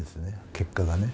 結果がね。